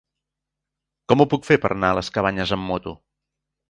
Com ho puc fer per anar a les Cabanyes amb moto?